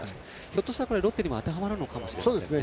ひょっとしたらロッテにも当てはまるのかもしれないですね。